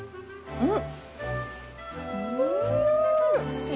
うん。